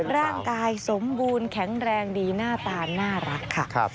ร่างกายสมบูรณ์แข็งแรงดีหน้าตาน่ารักค่ะ